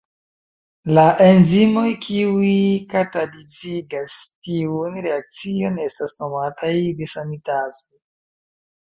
La enzimoj kiuj katalizigas tiun reakcion estas nomataj desaminazoj.